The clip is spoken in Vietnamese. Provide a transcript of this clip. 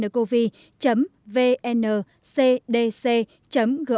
để có thể chủ động nắm bắt thông tin